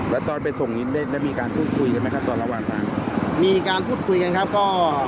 แล้วตอนไปส่งนี้ได้ได้มีการพูดคุยกันไหมครับตอนระหว่างนั้นมีการพูดคุยกันครับก็